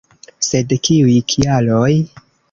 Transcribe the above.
Sed kiuj kialoj?